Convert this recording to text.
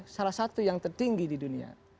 salah satu yang tertinggi di dunia